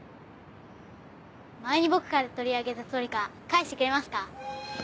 前に僕から取り上げた「トレカ」返してくれますか？